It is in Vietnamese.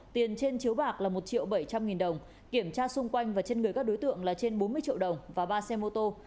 tiền trên chiếu bạc là một triệu bảy trăm linh nghìn đồng kiểm tra xung quanh và trên người các đối tượng là trên bốn mươi triệu đồng và ba xe mô tô